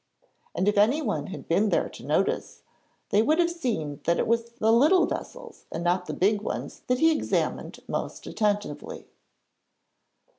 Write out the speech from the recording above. And if anyone had been there to notice, they would have seen that it was the little vessels and not the big ones that he examined most attentively.